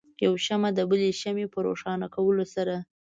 یو شمع د بلې شمعې په روښانه کولو سره.